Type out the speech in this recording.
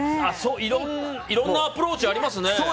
いろんなアプローチがありますね。